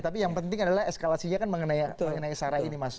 tapi yang penting adalah eskalasinya kan mengenai sarah ini mas